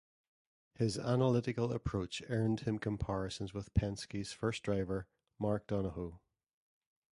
His analytical approach earned him comparisons with Penske's first driver, Mark Donohue.